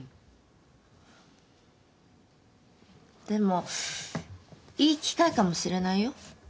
でもいい機会かもしれないよ。